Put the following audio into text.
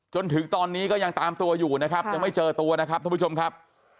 จนถึงตอนนี้ก็ยังตามตัวอยู่นะครับยังไม่เจอตัวนะครับท่านผู้ชมครับ